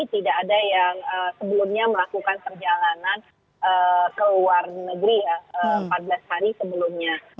tidak ada yang sebelumnya melakukan perjalanan ke luar negeri ya empat belas hari sebelumnya